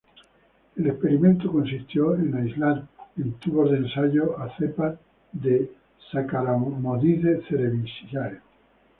El experimento consistió en aislar en tubos de ensayo a cepas de "Saccharomyces cerevisiae".